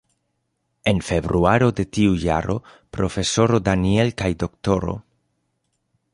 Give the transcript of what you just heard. En februaro de tiu jaro, Profesoro Daniel kaj Dro.